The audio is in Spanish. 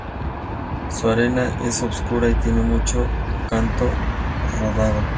Su arena es oscura y tiene mucho canto rodado.